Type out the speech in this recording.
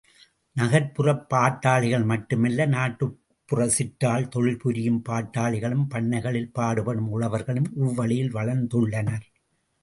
நகர்ப்புறப் பாட்டாளிகள் மட்டுமல்ல நாட்டுப்புற, சிற்றாள் தொழில் புரியும் பாட்டாளிகளும், பண்ணைகளில் பாடுபடும் உழவர்களும் இவ்வழியில் வளர்ந்துள்ளனர்.